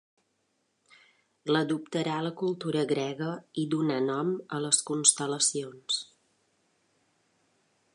L'adoptarà la cultura grega i donà nom a les constel·lacions